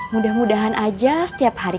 mudah mudahan aja setiap hari